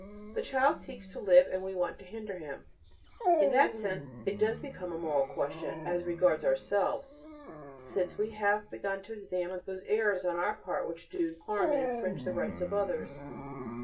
The child seeks to live and we want to hinder him. In that sense it does become a moral question, as regards ourselves, since we have begun to examine those errors on our part which do harm, and infringe the rights of others.